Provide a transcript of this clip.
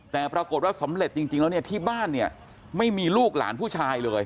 แต่ปรากฏว่าสำเร็จจริงแล้วเนี่ยที่บ้านเนี่ยไม่มีลูกหลานผู้ชายเลย